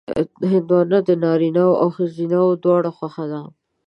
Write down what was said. هندوانه د نارینهوو او ښځینهوو دواړو خوښه ده.